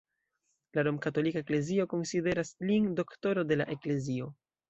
La Romkatolika Eklezio konsideras lin Doktoro de la Eklezio.